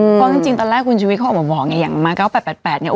เพราะจริงตอนแรกคุณชุวิตเขาออกมาบอกไงอย่างมา๙๘๘เนี่ย